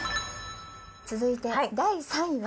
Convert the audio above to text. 続いて第３位は。